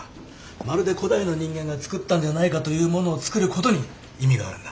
まるで古代の人間がつくったんじゃないかというものをつくることに意味があるんだ。